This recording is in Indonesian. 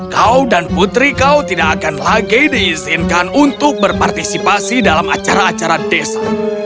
kau dan putri kau tidak akan lagi diizinkan untuk berpartisipasi dalam acara acara desa